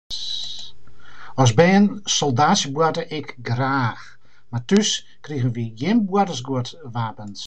As bern soldaatsjeboarte ik graach, mar thús krigen wy gjin boartersguodwapens.